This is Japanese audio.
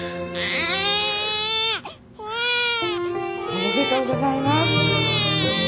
おめでとうございます。